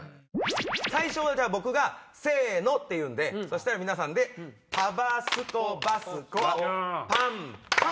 最初僕がせの！って言うんでそしたら皆さんで「タバスコバスコ」パンパン！